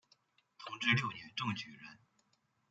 同治六年中举人。